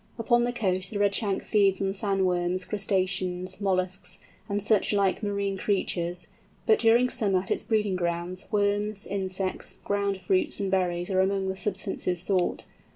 Upon the coast the Redshank feeds on sand worms, crustaceans, molluscs, and such like marine creatures, but during summer at its breeding grounds, worms, insects, ground fruits and berries are among the substances sought.